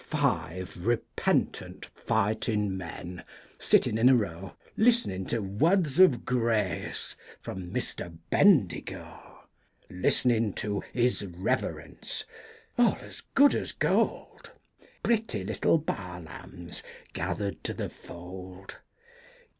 Five repentant fightin' men, sitting in a row, Listenin' to words of grace from Mister Bendigo, Listenin' to his reverence all as good as gold, Pretty little baa lambs, gathered to the fold.